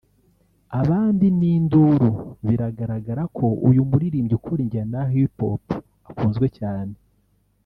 abandi n’induru biragaragara ko uyu muririmbyi ukora injyana ya Hip Hop akunzwe cyane